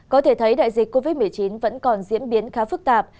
có thể thấy đại dịch covid một mươi chín vẫn còn diễn biến khá phức tạp